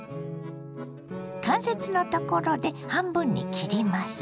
関節のところで半分に切ります。